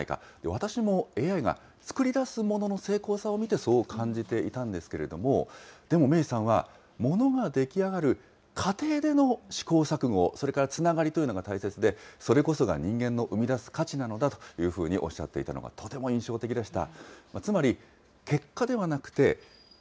私もＡＩが作り出すものの精巧さを見て、そう感じていたんですけれども、でもメイさんは、ものが出来上がる過程での試行錯誤、それからつながりというのが大切で、それこそが人間の生み出す価値なのだというふうにおっしゃっていたのがとても印象的でした。